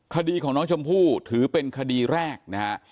คดีของน้องชมพู่ถือเป็นคดีแรกนะฮะ